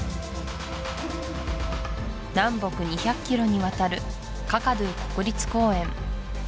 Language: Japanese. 南北２００ｋｍにわたるカカドゥ国立公園